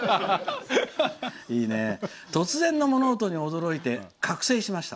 「突然の物音に驚いて覚醒しました。